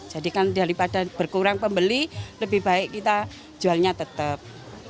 jadi kan daripada berkurang pembeli lebih baik kita jualnya tetap